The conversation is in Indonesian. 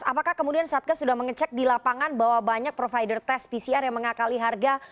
apakah kemudian satgas sudah mengecek di lapangan bahwa banyak provider tes pcr yang mengakali harga